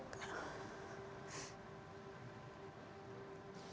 udah sampai saat yang ini